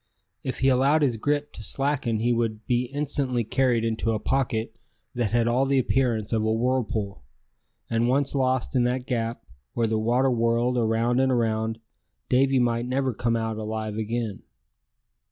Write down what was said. If he allowed his grip to slacken he would be instantly carried into a pocket that had all the appearance of a whirlpool; and once lost in that gap, where the water whirled around and around, Davy might never come out alive again.